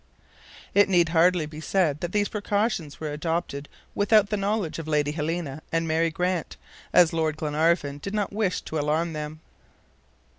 It need hardly be said these precautions were adopted without the knowledge of Lady Helena and Mary Grant, as Lord Glenarvan did not wish to alarm them.